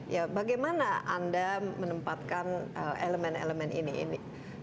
ya bagaimana anda menempatkan elemen elemen ini ini